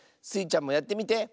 スイちゃんもやってみて。